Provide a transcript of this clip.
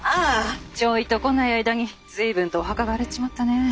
ちょいと来ない間に随分とお墓が荒れちまったねえ。